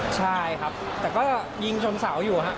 ใช่ครับแต่ก็ยิงชนเสาอยู่ครับ